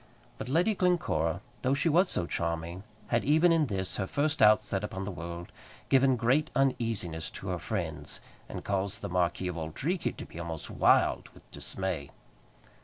But Lady Glencora, though she was so charming, had even in this, her first outset upon the world, given great uneasiness to her friends, and caused the Marquis of Auldreekie to be almost wild with dismay.